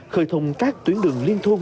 khởi thùng các tuyến đường liên thôn